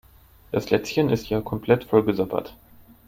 Das Lätzchen ist ja komplett vollgesabbert.